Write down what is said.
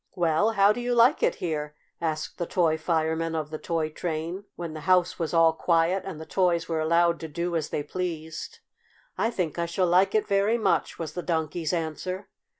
"Well, how do you like it here?" asked the toy Fireman of the toy train, when the house was all quiet and still and the toys were allowed to do as they pleased. "I think I shall like it very much," was the Donkey's answer.